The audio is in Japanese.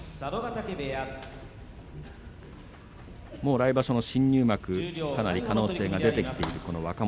来場所、新入幕かなり可能性が出てきている若元